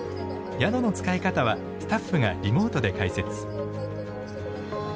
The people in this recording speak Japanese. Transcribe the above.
宿の使い方はスタッフがリモートで解説。